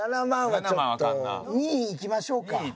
２いきましょうか。